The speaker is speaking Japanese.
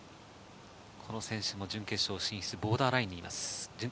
この選手も準決勝進出ボーダーラインにます。